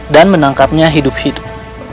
dan menangkapnya hidup hidup